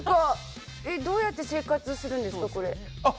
どうやって生活するんですか？